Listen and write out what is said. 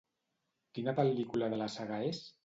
Quina pel·lícula de la saga és?